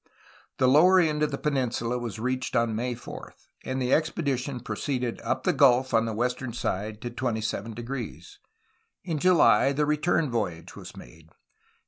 The lower end of the peninsula was reached on May 4, and the expedition proceeded up the gulf on the western side to 27°. In July the return voyage was made.